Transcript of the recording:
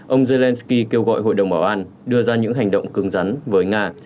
ông zelensky kêu gọi hội đồng bảo an đưa ra những hành động cứng rắn với nga